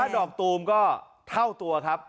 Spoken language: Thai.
ดอกตูมก็เท่าตัวครับ